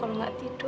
kamu gak tidur